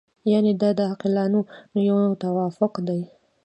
یعنې دا د عاقلانو یو توافق دی.